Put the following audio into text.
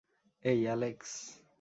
এই, এলেক্স!